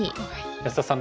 安田さん